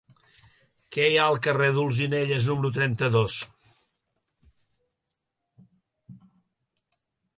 Què hi ha al carrer d'Olzinelles número trenta-dos?